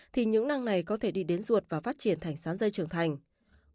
thì những năng này có thể đi đến ruột và phát triển thành sán dây trưởng thành